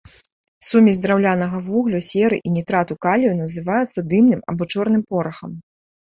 Сумесь з драўнянага вуглю, серы і нітрату калію называецца дымным, або чорным порахам.